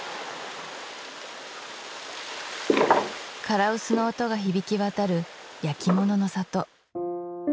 唐臼の音が響き渡る焼き物の里